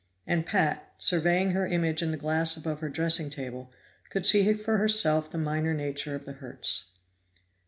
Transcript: And Pat, surveying her image in the glass above her dressing table, could see for herself the minor nature of the hurts.